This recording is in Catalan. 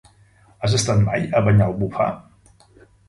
Has estat mai a Banyalbufar?